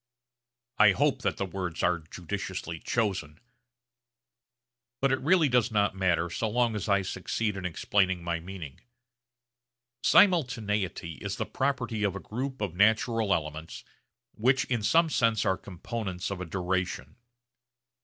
I hope that the words are judiciously chosen; but it really does not matter so long as I succeed in explaining my meaning. Simultaneity is the property of a group of natural elements which in some sense are components of a duration.